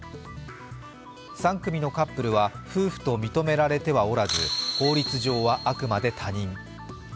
３組のカップルは夫婦と認められてはおらず、法律上はあくまで他人。